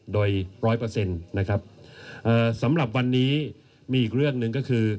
โดยร้อยเปอร์เซ็นต์นะครับสำหรับวันนี้มีอีกเรื่องหนึ่งก็คือ